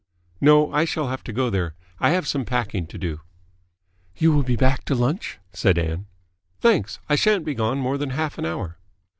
"No, I shall have to go there. I have some packing to do." "You will be back to lunch?" said Ann. "Thanks. I shan't be gone more than half an hour."